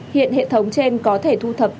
hiện hệ thống trên có thể thu thập